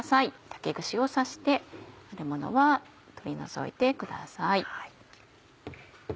竹串を刺してあるものは取り除いてください。